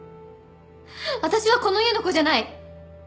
私はこの家の子じゃない。